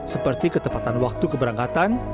seperti ketepatan waktu keberangkatan